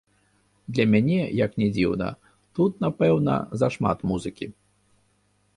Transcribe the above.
Для мяне, як ні дзіўна, тут, напэўна, зашмат музыкі.